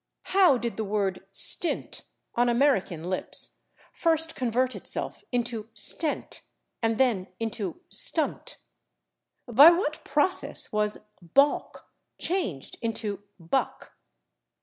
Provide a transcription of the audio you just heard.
How did the word /stint/, on American lips, first convert itself into /stent/ and then into /stunt/? By what process was /baulk/ changed into /buck